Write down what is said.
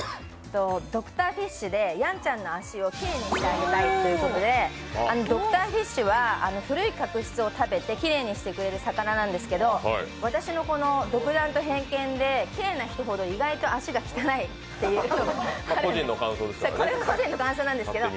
ドクターフィッシュでやんちゃんの足をきれいにしてあげたいと言うことでドクターフィッシュは古い角質を食べてきれいにしてくれる魚なんですけど私の独断と偏見で、きれいな人ほど意外と足が汚いという、これは個人の感想なんですけど。